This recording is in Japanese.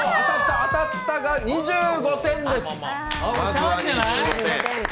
当たったが、２５点です。